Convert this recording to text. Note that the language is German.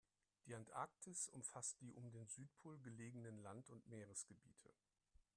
Die Antarktis umfasst die um den Südpol gelegenen Land- und Meeresgebiete.